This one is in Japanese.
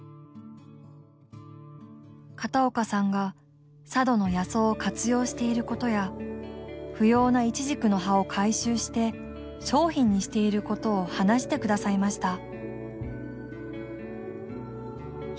「片岡さんが佐渡の野草を活用していることや不要なイチジクの葉を回収して商品にしていることを話してくださいました」